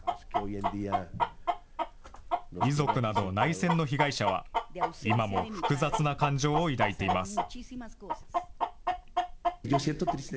遺族など内戦の被害者は、今も複雑な感情を抱いています。